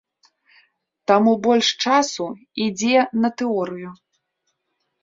Таму больш часу ідзе на тэорыю.